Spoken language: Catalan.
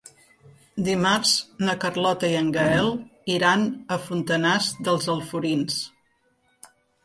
Dimarts na Carlota i en Gaël iran a Fontanars dels Alforins.